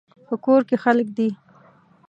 په کور کې خلک دي